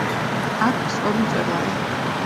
აქვს ორი მწვერვალი.